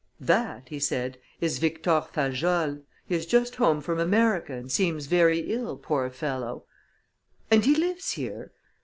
"That," he said, "is Victor Fajolle. He is just home from America and seems very ill, poor fellow." "And he lives here?"